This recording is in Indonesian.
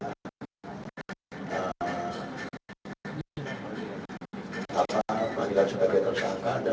apa panggilan sebagai tersangka